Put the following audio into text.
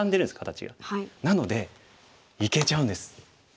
なのでいけちゃうんです。